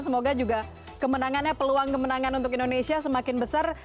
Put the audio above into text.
semoga juga kemenangannya peluang kemenangan untuk indonesia semakin besar